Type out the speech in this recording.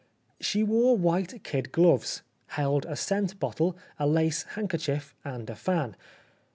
She wore white kid gloves, held a scent bottle, a lace handkerchief , and a fan.